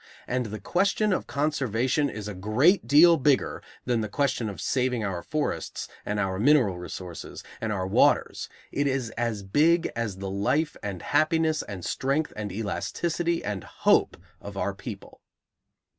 And the question of conservation is a great deal bigger than the question of saving our forests and our mineral resources and our waters; it is as big as the life and happiness and strength and elasticity and hope of our people.